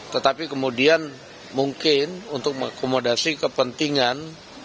tetapi kemudian mungkin untuk mengakomodasi kepentingan